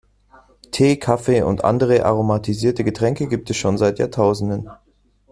Tee, Kaffee und andere aromatisierte Getränke gibt es schon seit Jahrtausenden.